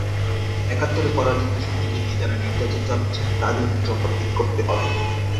একাত্তরের পরাজিত শক্তিকে নিয়ে যাঁরা নির্যাতন চালাচ্ছেন, তাঁদেরও জবাবদিহি করতে হবে।